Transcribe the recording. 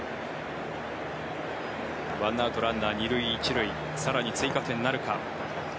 １アウトランナー２塁１塁更に追加点なるか。